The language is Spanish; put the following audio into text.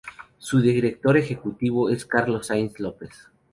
Su Director Ejecutivo es Carlos Sainz López.